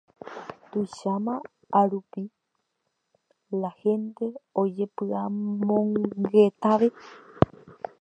tuicháma árupi la hente ojepy'amongetave